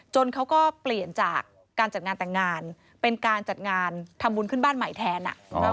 เขาก็เปลี่ยนจากการจัดงานแต่งงานเป็นการจัดงานทำบุญขึ้นบ้านใหม่แทน